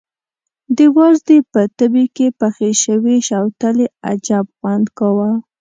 د وازدې په تبي کې پخې شوې شوتلې عجب خوند کاوه.